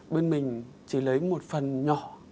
bên mình chỉ lấy một phần nhỏ